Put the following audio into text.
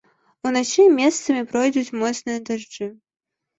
Уначы месцамі пройдуць моцныя дажджы.